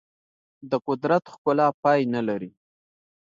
د قدرت ښکلا پای نه لري.